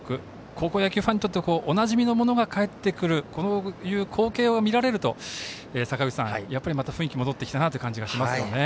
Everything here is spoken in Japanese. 高校野球ファンにとってはおなじみのものが戻ってくるこういう光景が見られるとまた雰囲気が戻ってきたなという感じがしますね。